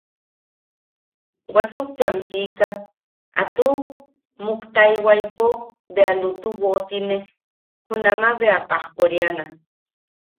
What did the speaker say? Wasuktiam sika, a muktaewaipo bea lutu woʼotine, junamaʼa bea pajkoriana.